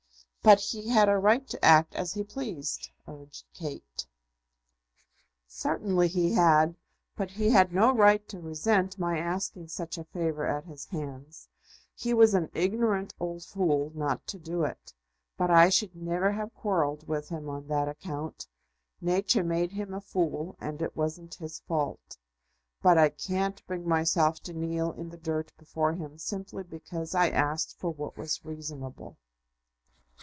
"But he had a right to act as he pleased," urged Kate. "Certainly he had. But he had no right to resent my asking such a favour at his hands. He was an ignorant old fool not to do it; but I should never have quarrelled with him on that account. Nature made him a fool, and it wasn't his fault. But I can't bring myself to kneel in the dirt before him simply because I asked for what was reasonable."